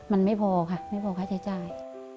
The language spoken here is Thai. มันไม่พอค่ะไม่พอค่ะชายใจ